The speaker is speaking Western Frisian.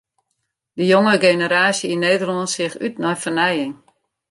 De jonge generaasje yn Nederlân seach út nei fernijing.